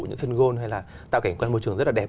những sân gôn hay là tạo cảnh quan môi trường rất là đẹp